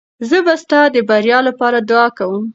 زه به ستا د بریا لپاره دعا کوم.